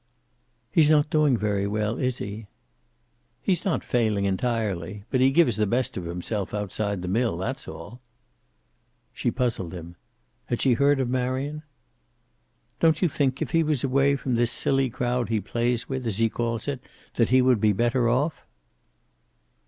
"He's not doing very well, is he?" "He's not failing entirely. But he gives the best of himself outside the mill. That's all." She puzzled him. Had she heard of Marion? "Don't you think, if he was away from this silly crowd he plays with, as he calls it, that he would be better off?"